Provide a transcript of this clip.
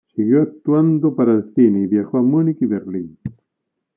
Siguió actuando para el cine, y viajó a Múnich y Berlín.